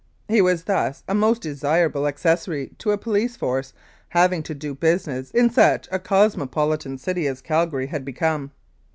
He was thus a most desirable accessory to a police force having to do business in such a cosmopolitan city as Calgary had become.